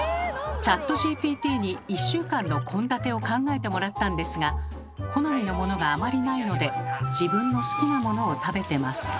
チャットＧＰＴに１週間の献立を考えてもらったんですが好みのものがあまりないので自分の好きなものを食べてます。